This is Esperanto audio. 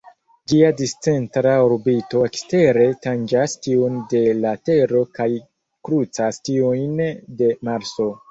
Ĝia discentra orbito ekstere tanĝas tiun de la Tero kaj krucas tiujn de Marso.